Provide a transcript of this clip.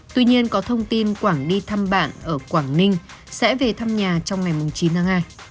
tuy nhiên có thông tin quảng đi thăm bạn ở quảng ninh sẽ về thăm nhà trong ngày chín tháng hai